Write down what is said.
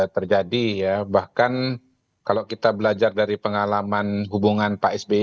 terjadi ya bahkan kalau kita belajar dari pengalaman hubungan pak sby